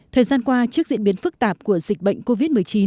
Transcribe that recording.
thời gian qua trước diễn biến phức tạp của dịch bệnh covid một mươi chín